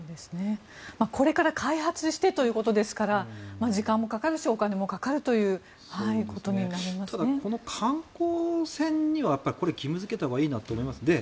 これから開発してということですから時間もかかるしお金もかかるということにただこの観光船には義務付けたほうがいいと思います。